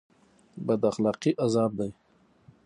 بد اخلاقي عذاب دی